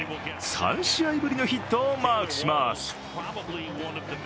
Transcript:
３試合ぶりのヒットをマークします